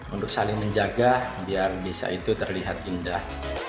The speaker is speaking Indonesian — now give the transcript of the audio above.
untuk saling menjaga biar desa itu terlihat indah